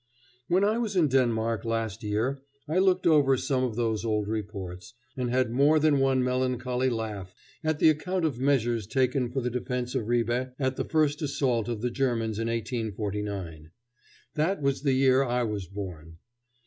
] When I was in Denmark last year, I looked over some of those old reports, and had more than one melancholy laugh at the account of measures taken for the defence of Ribe at the first assault of the Germans in 1849. That was the year I was born.